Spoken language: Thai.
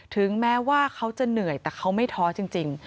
ถึงแม้ว่าเขาจะเหนื่อยแต่เขาไม่ท้อจริง